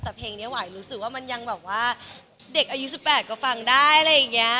แต่เพลงนี้หวายรู้สึกว่ามันยังแบบว่าเด็กอายุ๑๘ก็ฟังได้อะไรอย่างนี้